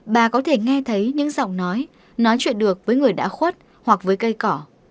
bà có thể nghe thấy những giọng nói nói chuyện được với người đã khuất hoặc với cây cỏ